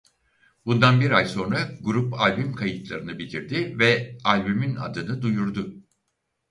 Bundan bir ay sonra grup albüm kayıtlarını bitirdi ve albümün adını duyurdu.